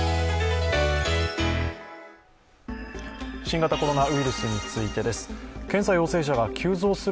新型コロナウイルスについてです。